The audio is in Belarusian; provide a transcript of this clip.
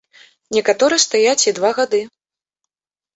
Некаторыя стаяць і два гады.